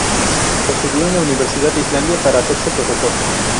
Estudió en la Universidad de Islandia para hacerse profesor.